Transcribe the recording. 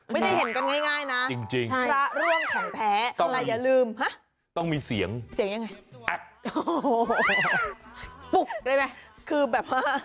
พระร่วงแถนแท้ละยะลืม